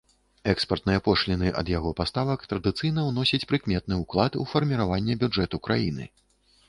Экспартныя пошліны ад яго паставак традыцыйна ўносяць прыкметны ўклад у фарміраванне бюджэту краіны.